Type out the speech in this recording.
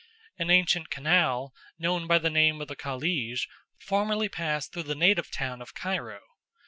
An ancient canal, known by the name of the Khalíj, formerly passed through the native town of Cairo.